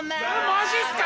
マジっすか！？